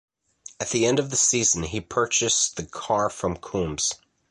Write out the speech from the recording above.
At the end of the season he purchased the car from Coombs.